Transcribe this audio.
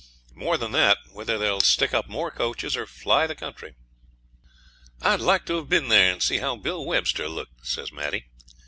More than that, whether they'll stick up more coaches or fly the country.' 'I'd like to have been there and see how Bill Webster looked,' says Maddie.